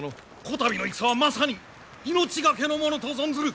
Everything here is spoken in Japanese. こたびの戦はまさに命懸けのものと存ずる。